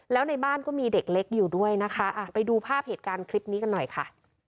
แล้วในบ้านก็มีเด็กเล็กอยู่ด้วยนะคะไปดูภาพเหตุการณ์คลิปนี้กันหน่อยค่ะ